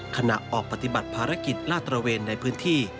ขณะออกปฏิบัติภารกิจลาดตระเวนในพื้นที่